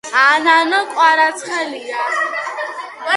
მან კანის კინო ფესტივალის „გრან პრი“ ორჯერ დაიმსახურა.